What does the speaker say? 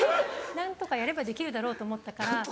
何とかやればできるだろうと思ったから。